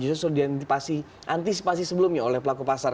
justru sudah diantisipasi sebelumnya oleh pelaku pasar